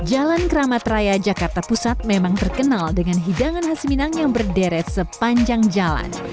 jalan keramat raya jakarta pusat memang terkenal dengan hidangan khas minang yang berderet sepanjang jalan